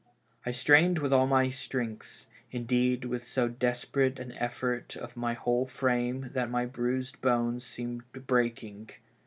I strained with all my strength ; indeed, with so desperate an effort of my whole frame that my bruised bones seemed break ing.